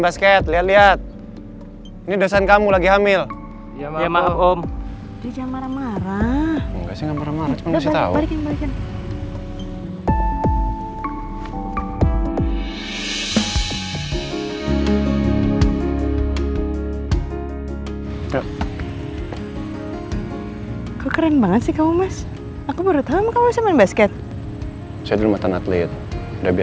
sampai jumpa di video selanjutnya